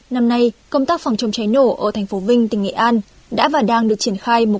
năm nay công tác phòng chống cháy nổ ở thành phố vinh tỉnh nghệ an đã và đang được triển khai một